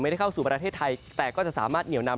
ได้เข้าสู่ประเทศไทยแต่ก็จะสามารถเหนียวนำ